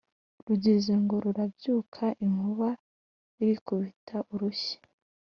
rugize ngo rurabyuka, inkuba irukubita urushyi,